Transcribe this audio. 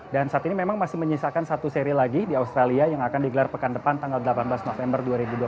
dan saat ini memang masih menyisakan satu seri lagi di australia yang akan digelar pekan depan tanggal delapan belas november dua ribu dua puluh dua